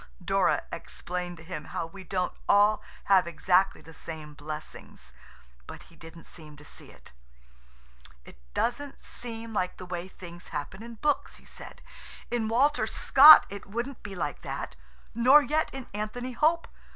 Dora explained to him how we don't all have exactly the same blessings, but he didn't seem to see it. "It doesn't seem like the way things happen in books," he said. "In Walter Scott it wouldn't be like that, nor yet in Anthony Hope.